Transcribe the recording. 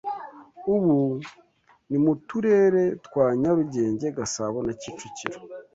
Ubu ni mu Turere twa Nyarugenge, Gasabo na Kicukiro